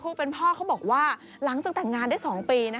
ผู้เป็นพ่อเขาบอกว่าหลังจากแต่งงานได้๒ปี